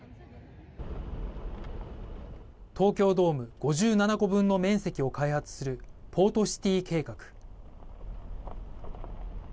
東京ドーム５７個分の面積を開発するポートシティー計画。